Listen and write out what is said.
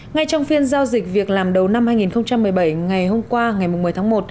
ngay trong phiên giao dịch việc làm đầu năm hai nghìn một mươi bảy ngày hôm qua ngày một mươi tháng một